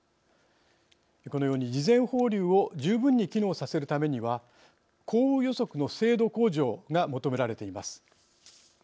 このように事前放流を十分に機能させるためには降雨予測の精度向上が求められています。